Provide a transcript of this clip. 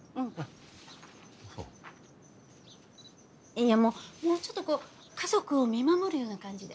いやもうちょっとこう家族を見守るような感じで。